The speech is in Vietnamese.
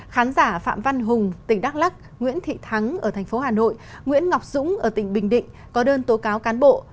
khán giả phạm văn hùng tỉnh đắk lắc nguyễn thị thắng ở tp hcm nguyễn ngọc dũng ở tỉnh bình định có đơn tố cáo cán bộ